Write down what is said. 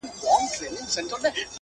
د همدې خرقې په زور پهلوانان وه -